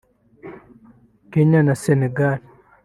Kenya na Senegal